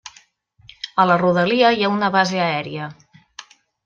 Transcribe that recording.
A la rodalia hi ha una base aèria.